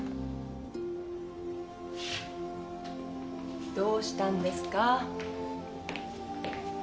どうしたんですか？